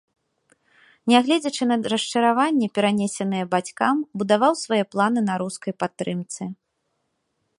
Нягледзячы на расчараванні, перанесеныя бацькам, будаваў свае планы на рускай падтрымцы.